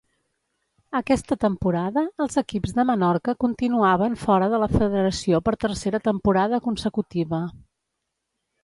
Aquesta temporada els equips de Menorca continuaven fora de la federació per tercera temporada consecutiva.